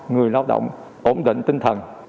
người lao động ổn định tinh thần